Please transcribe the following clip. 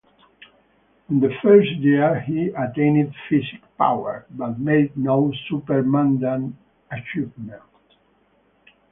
In the first year he attained psychic power, but made no supermundane achievement.